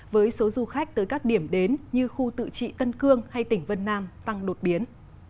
với số du khách tới các điểm đến như khu tự trị tân cương hay tỉnh vân nam tăng đột biến